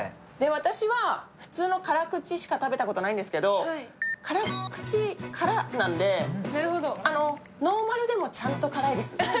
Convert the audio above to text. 私は普通の辛口しか食べたことないんですけど辛口からなんで、ノーマルでもちゃんと辛いです。